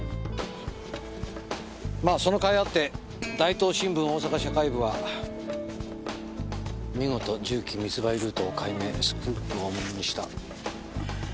まぁその甲斐あって大東新聞大阪社会部は見事銃器密売ルートを解明スクープをものにした。